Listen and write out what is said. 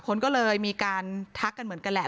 คนก็เลยมีการทักกันเหมือนกันแหละ